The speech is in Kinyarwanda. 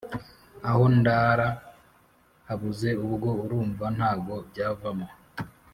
aho ndara habuze ubwo urumva ntago byavamo